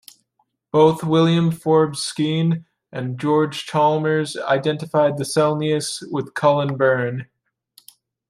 Both William Forbes Skene and George Chalmers identified the Celnius with Cullen Burn.